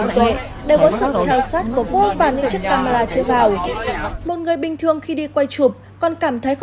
không phải hollywood không phải chương phim